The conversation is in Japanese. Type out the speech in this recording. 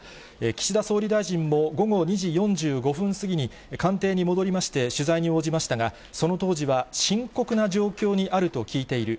岸田総理大臣も午後２時４５分過ぎに官邸に戻りまして、取材に応じましたが、その当時は、深刻な状況にあると聞いている。